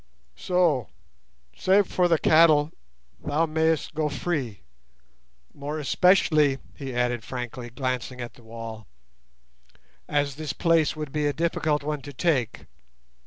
"So, save for the cattle, thou mayst go free; more especially," he added frankly, glancing at the wall, "as this place would be a difficult one to take.